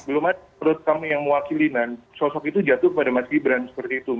belum ada menurut kami yang mewakili sosok itu jatuh kepada mas gibran seperti itu